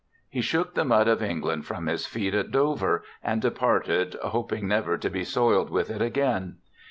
He shook the mud of England from his feet at Dover, and departed, hoping never to be soiled with it again.